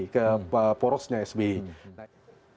ke porosnya sbi